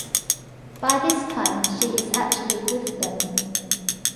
By this time she is actually with them!